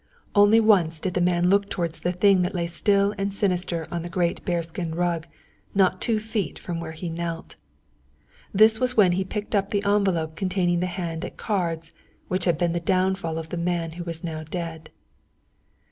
Only once did the man look towards the thing that lay still and sinister on the great bearskin rug not two feet from where he knelt. This was when he picked up the envelope containing the hand at cards which had been the downfall of the man who now was dead.